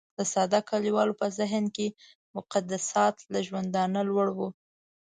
د ساده کليوال په ذهن کې مقدسات له ژوندانه لوړ وو.